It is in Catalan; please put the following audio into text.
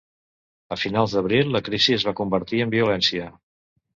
A finals d'abril, la crisi es va convertir en violència.